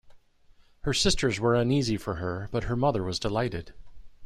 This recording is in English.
Her sisters were uneasy for her, but her mother was delighted.